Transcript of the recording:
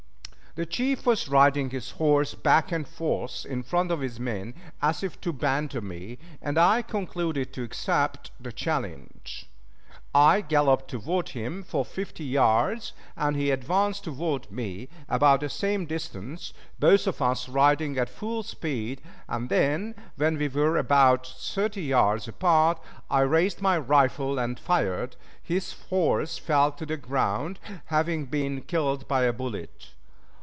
The chief was riding his horse back and forth in front of his men as if to banter me, and I concluded to accept the challenge. I galloped toward him for fifty yards, and he advanced toward me about the same distance, both of us riding at full speed, and then, when we were only about thirty yards apart, I raised my rifle and fired; his horse fell to the ground, having been killed by a bullet.